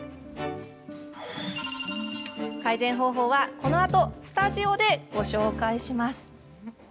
改善方法はこのあとスタジオでご紹介します！